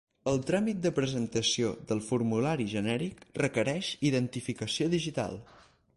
El tràmit de presentació del formulari genèric requereix identificació digital.